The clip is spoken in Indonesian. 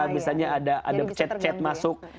misalnya ada chat chat masuk